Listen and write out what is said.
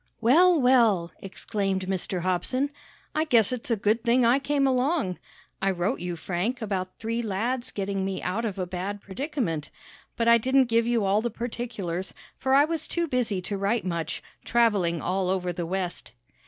"Well, well!" exclaimed Mr. Hobson. "I guess it's a good thing I came along. I wrote you, Frank, about three lads getting me out of a bad predicament, but I didn't give you all the particulars, for I was too busy to write much, traveling all over the West."